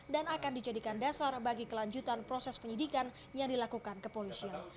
dan akan dijadikan dasar bagi kelanjutan proses penyidikan yang dilakukan kepolisian